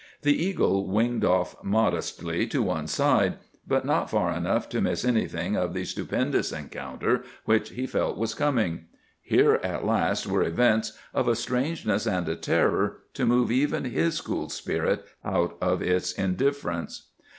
The eagle winged off modestly to one side, but not far enough to miss anything of the stupendous encounter which he felt was coming. Here, at last, were events of a strangeness and a terror to move even his cool spirit out of its indifference.